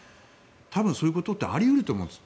多分、そういうことってあり得ると思うんです。